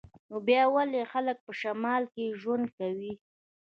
نو بیا ولې خلک په شمال کې ژوند کوي